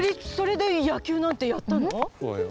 そうだよ。